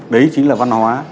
đấy chính là văn hóa